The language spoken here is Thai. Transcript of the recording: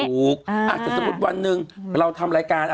ถูกแต่สมมุติวันหนึ่งเราทำรายการ